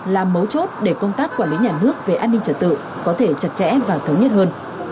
là mấu chốt để công tác quản lý nhà nước về an ninh trật tự có thể chặt chẽ và thống nhất hơn